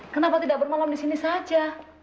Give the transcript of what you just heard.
kenapa tidak bermalam di sini saja